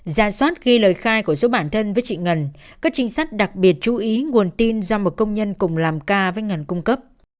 ra soát ghi lời khai của giữa bản thân với chị ngân các trinh sát đặc biệt chú ý nguồn tin do một công nhân cùng làm ca với ngân cung cấp